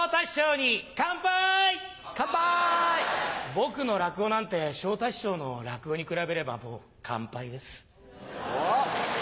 僕の落語なんて昇太師匠の落語に比べればもうカンパイです。